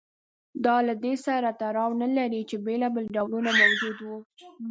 دا له دې سره تړاو نه لري چې بېلابېل ډولونه موجود و